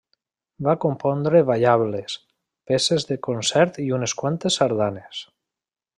Va compondre ballables, peces de concert i unes quantes sardanes.